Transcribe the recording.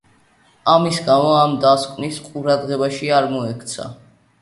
ამის გამო ამ დასკვნას ყურადღება არ მიექცა.